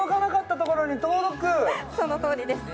そのとおりです